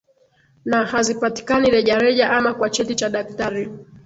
na hazipatikani rejareja ama kwa cheti cha daktari